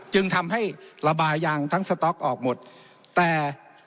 จึงทำให้ระบายยางทั้งสต๊อกออกหมดแต่